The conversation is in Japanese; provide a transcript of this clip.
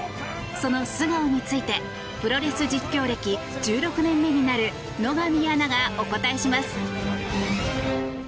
その素顔についてプロレス実況歴１６年目になる野上アナがお答えします。